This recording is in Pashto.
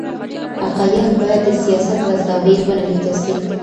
حقایق باید د سیاست له زاویې ونه لیدل سي.